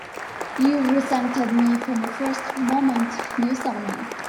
You've resented me from the first moment you saw me!